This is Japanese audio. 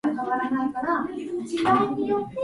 北海道色丹村